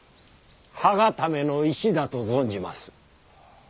歯固めの石だと存じます。